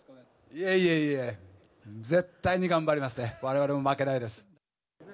いえいえいえ、絶対に頑張りますね、われわれも負けないです。